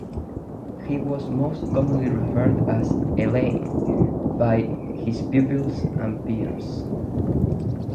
He was most commonly referred to as "Alain" by his pupils and peers.